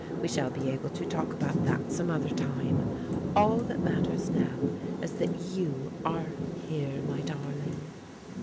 We shall be able to talk about that some other time. All that matters now is that you are here, my darling."